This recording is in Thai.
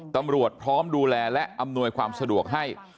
พร้อมดูแลและอำนวยความสะดวกให้